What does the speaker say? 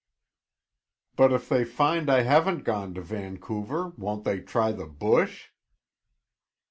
"But if they find I haven't gone to Vancouver, won't they try the bush?"